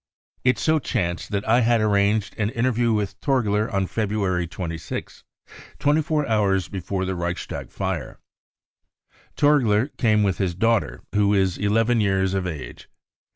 It so chanced that I had arranged an f e interview with Torgler on February 26th, 24 hours before the Reichstag fire. Torgler came with his daughter, who is 1 1 years of age.